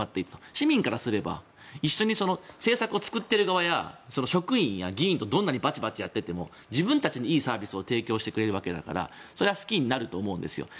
市民からすれば一緒に政策を作っている側や職員や議員とどんなにバチバチやっていても自分たちにいいサービスを提供してくれるわけだからそれは好きになると思うんです。